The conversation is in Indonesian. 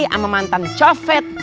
sama mantan cofet